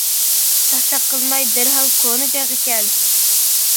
-چاقچاق قىلماي دەرھال كونا جايغا كەل.